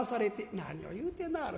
「何を言うてなはる。